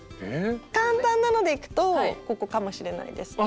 簡単なのでいくとここかもしれないですね。